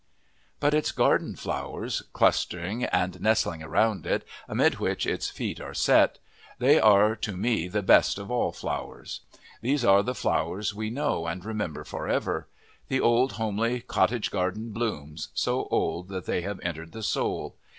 But its garden flowers, clustering and nestling round it, amid which its feet are set they are to me the best of all flowers. These are the flowers we know and remember for ever. The old, homely, cottage garden blooms, so old that they have entered the soul.